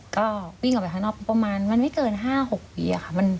ก็วิ่งออกไปข้างนอกประมาณมันไม่เกิน๕๖ปีค่ะ